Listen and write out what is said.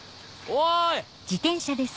おい！